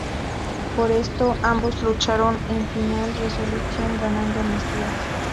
Por esto, ambos lucharon en Final Resolution, ganando Mesías.